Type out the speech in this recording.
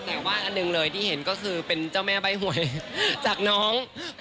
แต่ว่าอันหนึ่งเลยที่เห็นก็คือเป็นเจ้าแม่ใบหวยจากน้อง